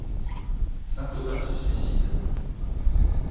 Saint-Aubin se suicide.